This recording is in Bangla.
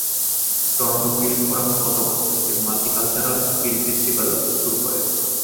টরন্টো ফিল্ম ফোরাম গত বছর থেকে মাল্টিকালচারাল ফিল্ম ফেস্টিভ্যাল শুরু করে।